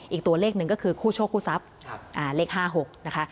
อีกตัวเลขหนึ่งก็คือคู่โชคคู่ทรัพย์เลข๕๖นะคะ